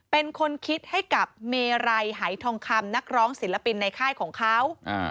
เป็นคนคิดให้กับเมไรหายทองคำนักร้องศิลปินในค่ายของเขา